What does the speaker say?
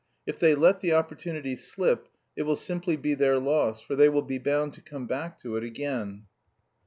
If they let the opportunity slip, it will simply be their loss, for they will be bound to come back to it again."